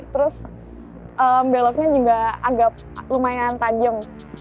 terus beloknya juga agak lumayan tajam